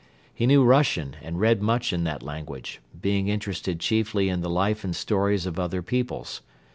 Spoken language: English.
He knew Russian and read much in that language, being interested chiefly in the life and stories of other peoples.